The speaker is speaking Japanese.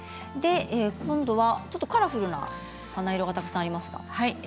今度はカラフルな花色がたくさんありますね。